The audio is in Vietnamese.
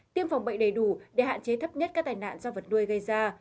tiêm phòng bệnh đầy đủ để hạn chế thấp nhất các tai nạn do vật nuôi gây ra